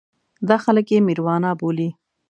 دا خلک یې مېروانا بولي.